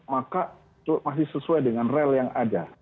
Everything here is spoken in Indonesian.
maka masih sesuai dengan rel yang ada